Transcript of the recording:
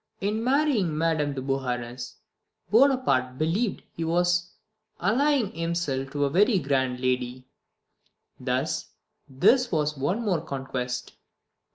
. In marrying Madame de Beauharnais, Bonaparte believed he was allying himself to a very grand lady; thus this was one more conquest" (p.